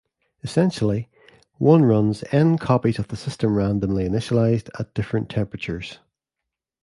Essentially, one runs "N" copies of the system, randomly initialized, at different temperatures.